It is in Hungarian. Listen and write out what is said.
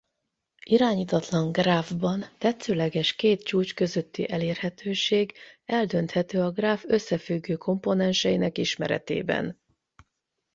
Irányítatlan gráfban tetszőleges két csúcs közötti elérhetőség eldönthető a gráf összefüggő komponenseinek ismeretében.